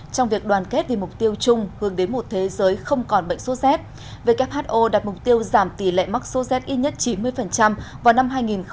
trong việc đoàn kết vì mục tiêu chung hướng đến một thế giới không còn bệnh số z who đặt mục tiêu giảm tỷ lệ mắc sốt z ít nhất chín mươi vào năm hai nghìn ba mươi